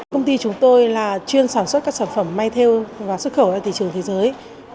công ty chúng tôi là chuyên sản xuất các sản phẩm may theo và xuất khẩu ra thị trường thế giới